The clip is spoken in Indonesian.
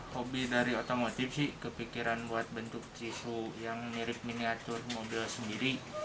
hobi dari otomotif sih kepikiran buat bentuk tisu yang mirip miniatur mobil sendiri